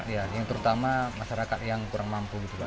ya yang terutama masyarakat yang kurang mampu gitu pak